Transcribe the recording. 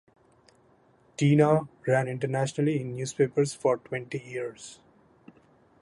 "Teena" ran internationally in newspapers for twenty years.